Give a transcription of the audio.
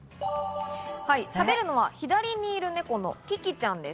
しゃべるのは左にいる猫のキキちゃんです。